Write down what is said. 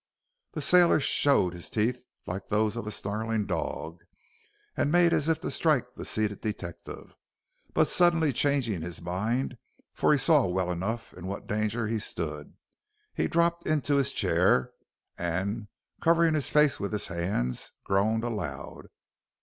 The sailor showed his teeth like those of a snarling dog and made as to strike the seated detective; but suddenly changing his mind, for he saw well enough in what danger he stood, he dropped into his chair, and, covering his face with his hands, groaned aloud.